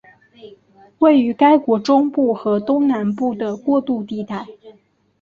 位于该国中部和东南部的过渡地带。